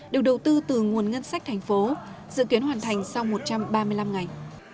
được đầu tư từ nguồn ngân sách thành phố dự kiến hoàn thành sau một trăm ba mươi năm ngày